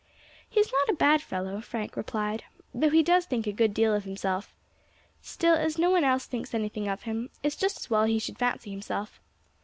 "He is not a bad fellow," Frank replied, "though he does think a good deal of himself. Still, as no one else thinks anything of him, it is just as well he should fancy himself.